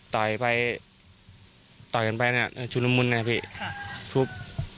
ต่อยไปชุบหน้าหมุน